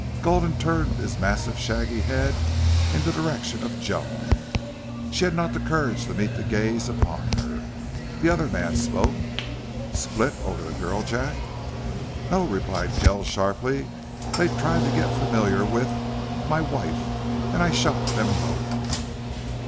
Gulden turned his massive, shaggy head in the direction of Joan. She had not the courage to meet the gaze upon her. The other man spoke: "Split over the girl, Jack?" "No," replied Kells, sharply. "They tried to get familiar with MY WIFE and I shot them both."